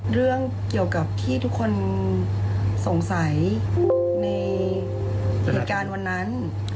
เรื่องเกี่ยวกับที่ทุกคนสงสัยในเหตุการณ์วันนั้น